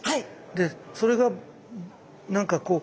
それが何かこう。